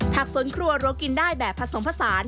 ผักสนครัวโรคกินได้แบบผสมผสาน